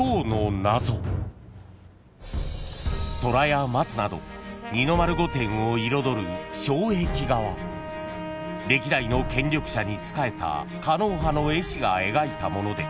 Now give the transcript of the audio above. ［虎や松など二の丸御殿を彩る障壁画は歴代の権力者に仕えた狩野派の絵師が描いたもので］